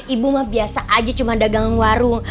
ibu mah biasa aja cuma dagang warung